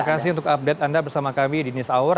terima kasih untuk update anda bersama kami di news hour